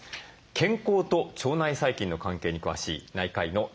健康と腸内細菌の関係に詳しい内科医の鳥居明さんです。